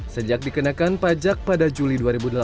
sejak dikenakan pajak pada juli dua ribu delapan belas